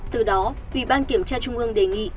từ đó ủy ban kiểm tra trung ương đề nghị